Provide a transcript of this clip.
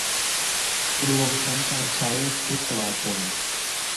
รวมทั้งการใช้พรุสวาจน